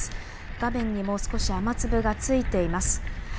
画面にも少し雨粒がついています。